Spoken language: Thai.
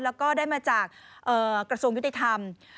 แล้วก็ได้มาจากกระทรวงยุติธรรม